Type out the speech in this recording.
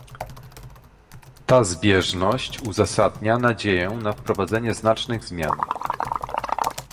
Ta zbieżność uzasadnia nadzieję na wprowadzenie znacznych zmian